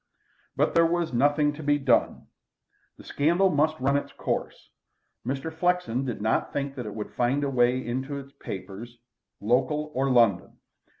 But there was nothing to be done. The scandal must run its course. Mr. Flexen did not think that it would find its way into the papers, local or London.